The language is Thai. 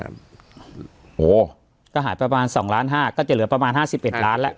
จะหาประมาณ๒๕๐๐๐๐๐บาทก็จะเหลือประมาณ๕๑ล้านแล้ว